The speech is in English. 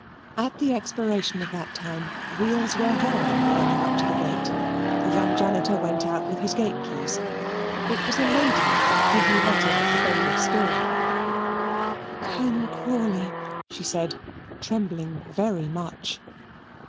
At the expiration of that time, wheels were heard whirling up to the gate the young janitor went out with his gate keys. It was a lady whom he let in at the bailiff's door. "Colonel Crawley," she said, trembling very much.